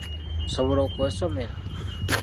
Nsobola okwesomera!